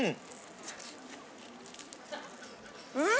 うん。